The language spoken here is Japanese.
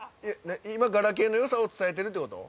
今ガラケーの良さを伝えてるってこと？